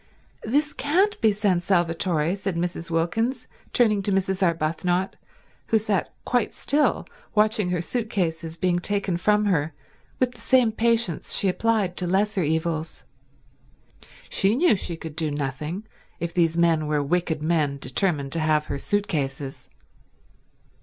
"This can't be San Salvatore," said Mrs. Wilkins, turning to Mrs. Arbuthnot, who sat quite still watching her suit cases being taken from her with the same patience she applied to lesser evils. She knew she could do nothing if these men were wicked men determined to have her suit cases.